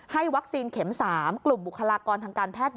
วัคซีนเข็ม๓กลุ่มบุคลากรทางการแพทย์